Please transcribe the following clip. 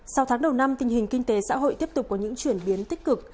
sau tháng đầu năm tình hình kinh tế xã hội tiếp tục có những chuyển biến tích cực